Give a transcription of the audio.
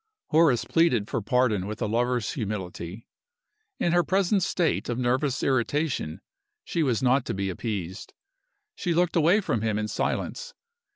Horace pleaded for pardon with a lover's humility. In her present state of nervous irritation she was not to be appeased. She looked away from him in silence.